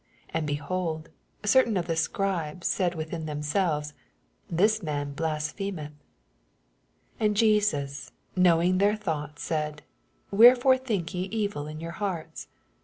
3 And, benold, certain of toe Scribes said within themselves. This man blasphemeth. 4 And Jesns knowing their thonghts said, Wherefore think ye ovil in your hearts!